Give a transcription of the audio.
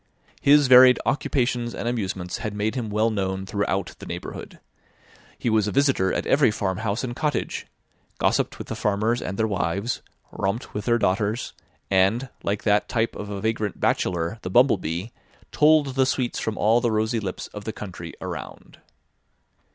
His varied occupations and amusements had made him well known throughout the neighbourhood. He was a visitor at every farmhouse and cottage; gossiped with the farmers and their wives; romped with their daughters; and, like that type of a vagrant bachelor, the bumblebee, tolled the sweets from all the rosy lips of the country around.